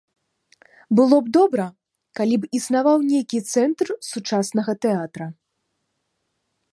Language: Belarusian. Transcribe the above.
Было б добра, калі б існаваў нейкі цэнтр сучаснага тэатра.